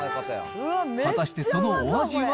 果たしてそのお味は。